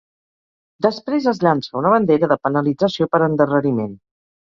Després es llança una bandera de penalització per endarreriment.